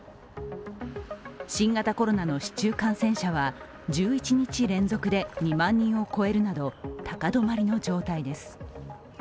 新型コロナの市中感染者は１１日連続で２万人を超えるなど２万人を超えるなど高止まりの状態です。